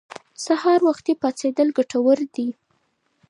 سهار وختي پاڅېدل ګټور دي.